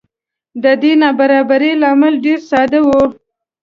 د دې نابرابرۍ لامل ډېره ساده و.